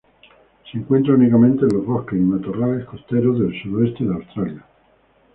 Se encuentra únicamente en los bosques y matorrales costeros del sudoeste de Australia.